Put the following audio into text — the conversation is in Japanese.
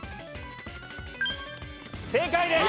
正解です！